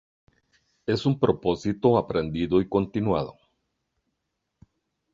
Es un propósito aprendido y continuado.